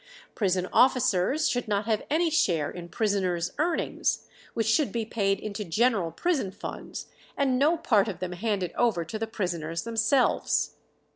Prison officers should not have any share in prisoners' earnings, which should be paid into general prison funds, and no part of them handed over to the prisoners themselves.